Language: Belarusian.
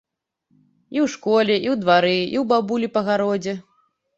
І ў школе, і ў двары, і ў бабулі па гародзе.